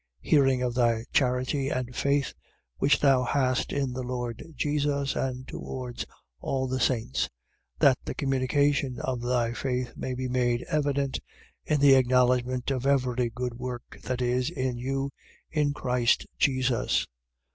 1:5. Hearing of thy charity and faith, which thou hast in the Lord Jesus and towards all the saints: 1:6. That the communication of thy faith may be made evident in the acknowledgment of every good work that is in you in Christ Jesus.